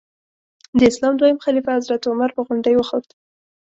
د اسلام دویم خلیفه حضرت عمر په غونډۍ وخوت.